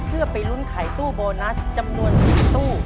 เพื่อไปลุ้นไขตู้โบนัสจำนวน๔ตู้